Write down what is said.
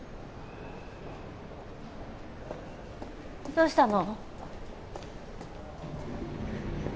どうしたの？